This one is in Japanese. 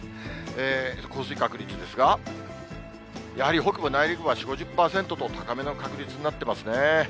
降水確率ですが、やはり北部、内陸部は４、５０％と、高めの確率になってますね。